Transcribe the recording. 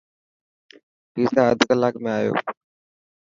پيزا اڍ ڪلاڪ ۾ آيو.